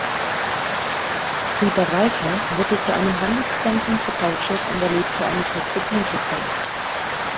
Riberalta wurde zu einem Handelszentrum für Kautschuk und erlebte eine kurze Blütezeit.